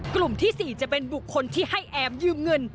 กลุ่มที่๔จะเป็นบุคคลที่ให้แอมยืมเงิน